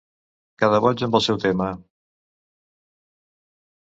Cada boig amb el seu tema.